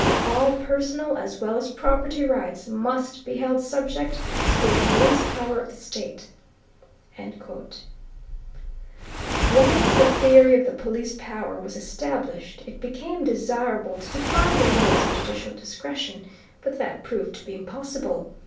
All personal, as well as property rights must be held subject to the Police Power of the state." Once the theory of the Police Power was established it became desirable to define the limits of judicial discretion, but that proved to be impossible.